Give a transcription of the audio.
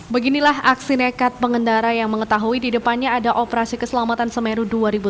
beginilah aksi nekat pengendara yang mengetahui di depannya ada operasi keselamatan semeru dua ribu delapan belas